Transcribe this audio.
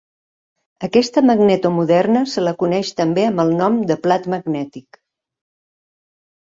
Aquesta magneto moderna se la coneix també amb el nom de Plat Magnètic.